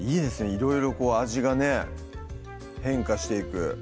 いろいろこう味がね変化していく